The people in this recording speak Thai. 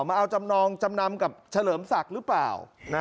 มาเอาจำนองจำนำกับเฉลิมศักดิ์หรือเปล่า